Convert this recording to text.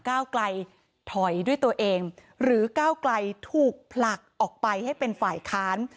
ก้าวไกลถอยด้วยตัวเองหรือก้าวไกลถูกผลักออกไปให้เป็นฝ่ายค้าน